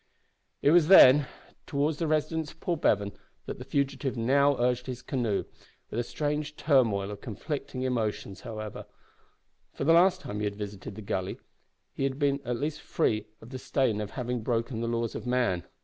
It was, then, towards the residence of Paul Bevan that the fugitive now urged his canoe, with a strange turmoil of conflicting emotions however; for, the last time he had visited the Gully he had been at least free from the stain of having broken the laws of man.